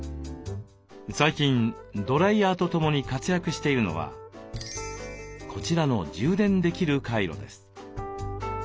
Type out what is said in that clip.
最近ドライヤーとともに活躍しているのはこちらの充電できるカイロです。